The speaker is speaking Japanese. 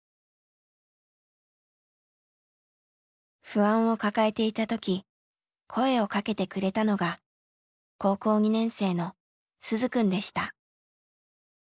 不安を抱えていた時声をかけてくれたのが高校２年生の鈴くんでした。